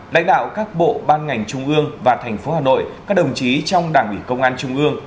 lãnh đạo các bộ ban ngành trung ương và thành phố hà nội các đồng chí trong đảng ủy công an trung ương